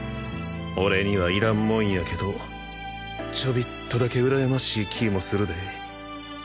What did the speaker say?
俺にはいらんもんやけどちょびっとだけうらやましい気もするで